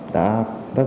đã bất tạp